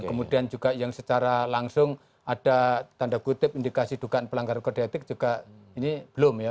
kemudian juga yang secara langsung ada tanda kutip indikasi dugaan pelanggaran kode etik juga ini belum ya